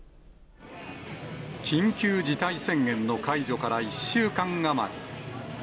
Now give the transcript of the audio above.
緊急事態宣言の解除から１週間余り。